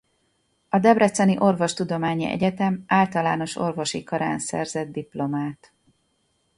A Debreceni Orvostudományi Egyetem általános orvosi karán szerzett diplomát.